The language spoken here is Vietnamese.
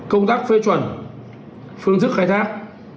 công tác phê chuẩn phương thức khai thác